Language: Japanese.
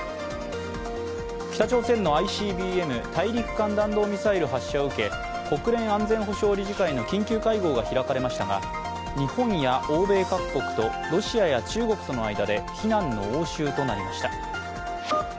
北朝鮮のＩＣＢＭ＝大陸間弾道ミサイル発射を受け、国連安全保障理事会の緊急会合が開かれましたが、日本や欧米各国とロシアや中国との間で非難の応酬となりました。